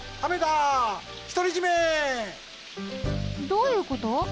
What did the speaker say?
どういうこと？